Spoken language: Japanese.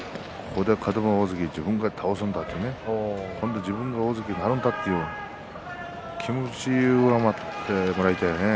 ここでカド番大関自分が倒すんだと今度は自分が大関なるんだという気持ちがあってもらいたいね。